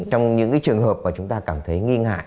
trong những trường hợp mà chúng ta cảm thấy nghi ngại